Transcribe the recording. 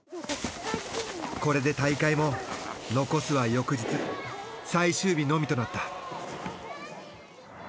これで大会も残すは翌日最終日のみとなった。